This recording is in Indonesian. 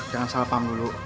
jangan salah paham dulu